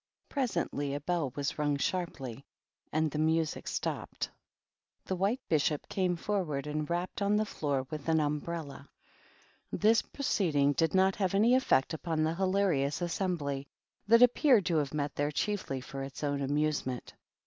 Presently a bell was rung sharply, and music stopped. The White Bishop came forw and rapped on the floor with an umbrella. 1 THE GBEAT OCCASION. 243 proceeding did not have any effect upon the hilarious assembly, that appeared to have met there chiefly for its own amusement.